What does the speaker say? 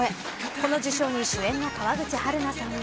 この受賞に主演の川口春奈さんは。